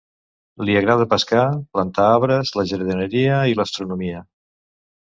Li agrada pescar, plantar arbres, la jardineria i l'astronomia.